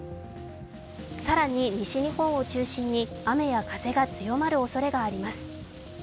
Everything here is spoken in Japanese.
更に西日本を中心に雨や風が強まるおそれがあります。